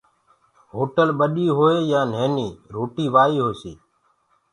هوٽل ٻڏي هوئي يآن نهيني روٽي وآئي هوسي